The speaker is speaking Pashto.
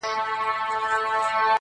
هڅه د بریا راز دی.